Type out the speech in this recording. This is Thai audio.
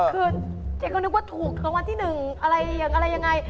คือเจ๊ก็นึกว่าถูกรางวัลที่๑อะไรอย่างอะไรยังไง